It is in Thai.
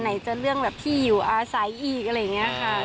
จะเรื่องแบบที่อยู่อาศัยอีกอะไรอย่างนี้ค่ะ